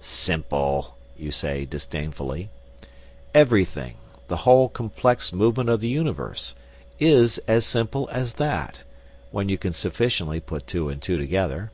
"Simple!" you say, disdainfully. Everything the whole complex movement of the universe is as simple as that when you can sufficiently put two and two together.